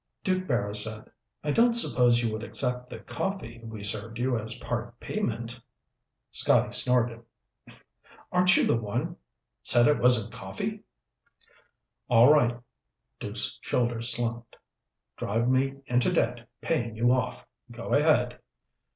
Duke Barrows said, "I don't suppose you would accept the coffee we served you as part payment?" Scotty snorted. "Aren't you the one said it wasn't coffee?" "All right." Duke's shoulders slumped. "Drive me into debt paying you off. Go ahead."